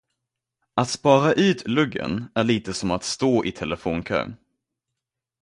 Att spara ut luggen är lite som att stå i telefonkö.